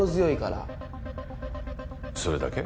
それだけ？